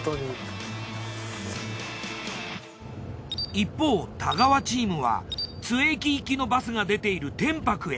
一方太川チームは津駅行きのバスが出ている天白へ。